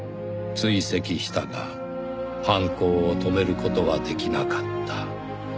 「追跡したが犯行を止める事はできなかった」